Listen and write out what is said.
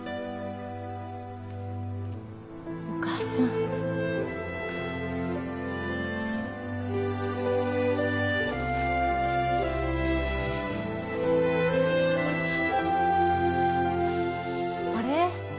お母さんあれ？